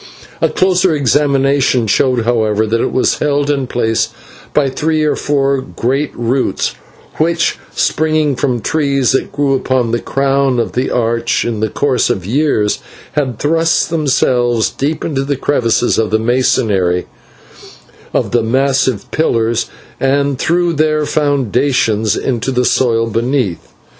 A closer examination showed, however, that it was held in place by three or four great roots, which, springing from trees that grew upon the crown of the arch, in the course of years had thrust themselves deep into the crevices of the masonry of the massive pillars, and through their foundations into the soil beneath.